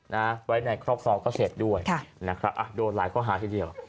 นะไว้ในครอบครองก็เสพด้วยค่ะนะครับอ่ะโดนหลายข้อหาทีเดียว